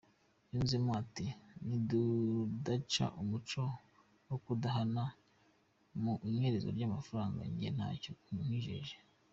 Yunzemo ati “ni tudaca umuco wo kudahana mu inyerezwa ry’amafaranga, njye ntacyo nkwijeje.”